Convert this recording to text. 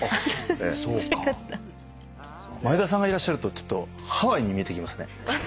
前田さんがいらっしゃるとハワイに見えてきますね。